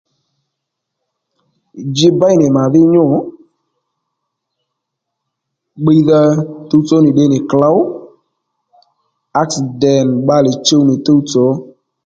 Ji béy nì màdhí nyû bbiydha tuwtsò ó nì tde nì klǒw aksident bbalè chuw nì tuwtsò ó